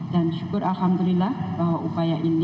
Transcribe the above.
dan syukur alhamdulillah bahwa upaya ini